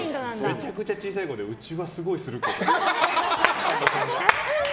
めちゃくちゃ小さい声でうちはすごいするけどって。